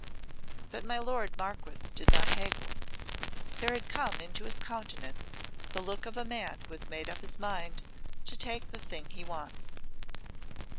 But my lord Marquess did not haggle. There had come into his countenance the look of a man who has made up his mind to take the thing he wants.